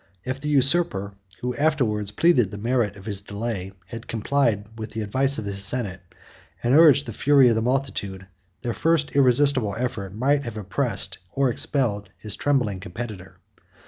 If the usurper, who afterwards pleaded the merit of his delay, had complied with the advice of his senate, and urged the fury of the multitude, their first irresistible effort might have oppressed or expelled his trembling competitor.